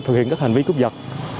thực hiện các hành vi cướp giật